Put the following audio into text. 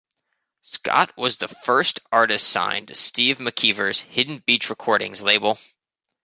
Scott was the first artist signed to Steve McKeever's 'Hidden Beach Recordings' label.